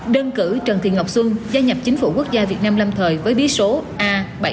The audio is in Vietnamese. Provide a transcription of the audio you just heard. đơn cử trần thị ngọc xuân gia nhập chính phủ quốc gia việt nam lâm thời với bí số a bảy trăm bốn mươi